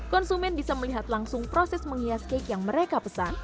konsumen bisa melihat langsung proses menghias cake yang mereka pesan